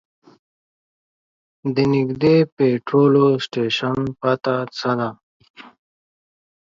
د نږدې پټرول سټیشن پته څه ده؟